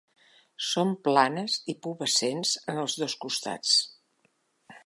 Són planes i pubescents en els dos costats.